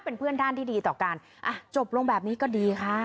เป็นเพื่อนด้านที่ดีต่อกันอ่ะจบลงแบบนี้ก็ดีค่ะ